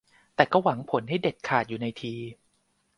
แต่ก็หวังผลให้เด็ดขาดอยู่ในที